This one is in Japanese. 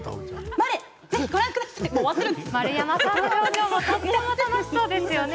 丸山さんの表情もとっても楽しそうですよね。